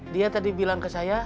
dia tadi bilang ke saya